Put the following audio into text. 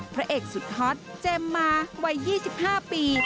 พระเอกสุดฮอตเจมส์มาวัย๒๕ปี